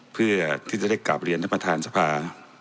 เพื่อที่จะได้กลับเรียนท่านประธานสภา